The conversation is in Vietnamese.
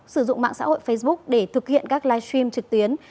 sử dụng mạng xã hội facebook để thực hiện các live stream trực tuyến